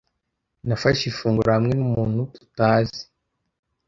Nafashe ifunguro hamwe numuntu tutazi.